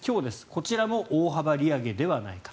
こちらも大幅利上げではないか。